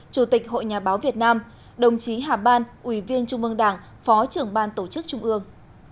chủ tịch hội nhà báo việt nam đồng chí hà ban ủy viên trung mương đảng phó trưởng ban tổ chức trung ương